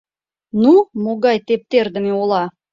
«Ну, могай тептердыме ола!